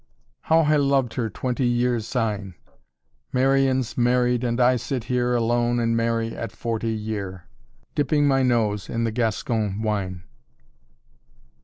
How I loved her twenty years syne! Marian's married and I sit here Alone and merry at forty year, Dipping my nose in the Gascon wine."